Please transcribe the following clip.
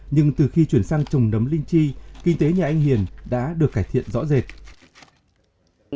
nhưng từ khi chuyển sang trồng nấm linh chi kinh tế nhà anh hiền đã được cải thiện rõ rệt